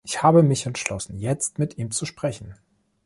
Ich habe mich entschlossen, jetzt mit ihm zu sprechen.